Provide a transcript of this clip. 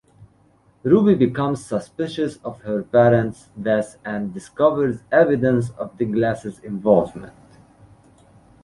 Ruby becomes suspicious of her parents' death and discovers evidence of the Glasses involvement.